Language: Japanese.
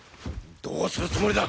どうするつもりだ？